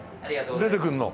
出てくるの？